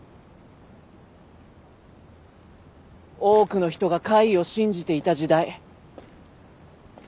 多くの人が怪異を信じていた時代。